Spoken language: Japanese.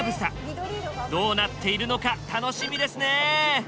どうなっているのか楽しみですね！